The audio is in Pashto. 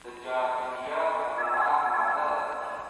زجاجیه رڼه ماده ده.